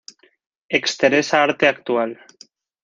Ex Teresa Arte Actual.